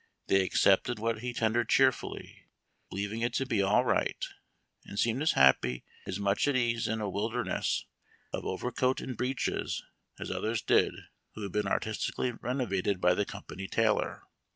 They accepted what he tendered cheerfully, believing it to be all riglit, and seemed as happy and as much at ease in a wilderness of RAW RECRUITS. 205 overcoat aiul breeches as otliers did who had been artisti cally renovated by the company tailor.